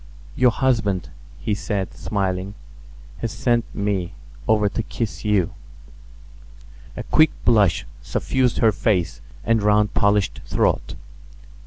"Your husband," he said, smiling, "has sent me over to kiss you." A quick blush suffused her face and round polished throat.